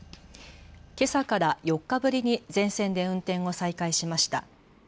けさから４日ぶりに全線で運転を再開しました。